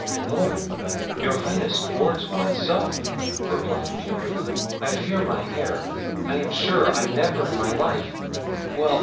"Lord! your Highness thwarts one so!" replied Bianca; "I fear my hair—I am sure I never in my life—well!